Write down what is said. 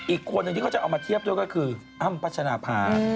อีกคนนึงที่เขาจะเอามาเทียบด้วยก็คืออ้ำพัชราภา